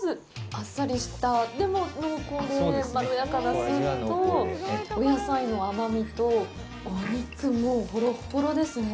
あっさりした、でも、濃厚でまろやかなスープとお野菜の甘みと、お肉、ホロホロですね。